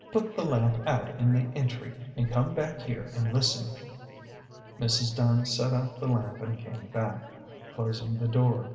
Put the lamp out in the entry, and come back here and listen." Mrs. Dunn set out the lamp and came back, closing the door.